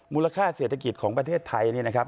มูลค่าเศรษฐกิจของประเทศไทยเนี่ยนะครับ